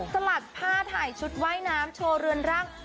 สลัดผ้าฉุดว่ายน้ำชัวร์เรือนร่าง